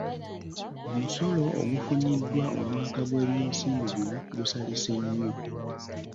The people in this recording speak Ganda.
Omusolo ogufuniddwa omwaka gw'ebyensimbi guno gusalise nnyo.